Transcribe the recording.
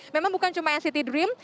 memang bukan cuma yang city dream